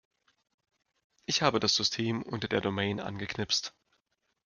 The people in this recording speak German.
Ich habe das System unter der Domain angeknipst.